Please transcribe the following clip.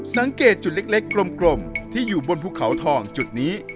สังเกตจุดเล็กกลมที่อยู่บนภูเขาทองจุดนี้